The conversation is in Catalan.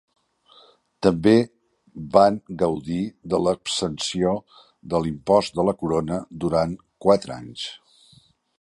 També van gaudir de l'exempció de l'impost de la corona durant quatre anys.